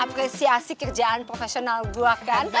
apresiasi kerjaan profesional gue kan